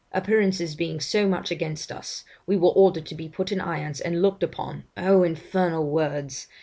Appearances being so much against us, we were ordered to be put in irons, and looked upon oh, infernal words!